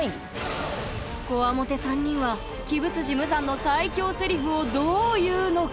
コワモテ３人は鬼舞無惨の最恐セリフをどう言うのか？